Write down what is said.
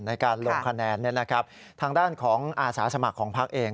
ในการลงคะแนนทางด้านของอาสาสมัครของพักเอง